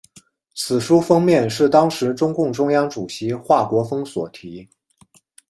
此书封面是当时中共中央主席华国锋所题。